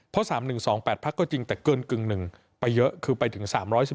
เพราะ๓๑๒๘พักก็จริงแต่เกินกึ่งหนึ่งไปเยอะคือไปถึง๓๑๑